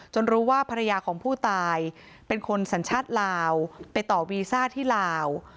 รู้ว่าภรรยาของผู้ตายเป็นคนสัญชาติลาวไปต่อวีซ่าที่ลาว